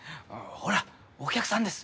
ほらお客さんです！